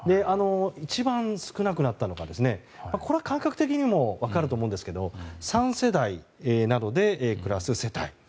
一番少なくなったのがこれは感覚的にも分かると思うんですが３世代などで暮らす世帯。